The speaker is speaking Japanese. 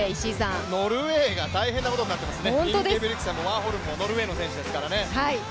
ノルウェーが大変なことになってますねワーホルムもインゲブリクセンもワーホルムもノルウェーの選手ですからね。